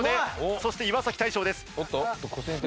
そして岩大昇です。